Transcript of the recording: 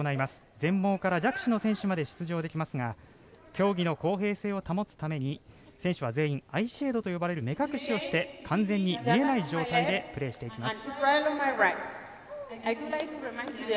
全盲から弱視の選手まで出場できますが競技の公平性を保つために選手は全員アイシェードという目隠しをして完全に見えない状態でプレーしていきます。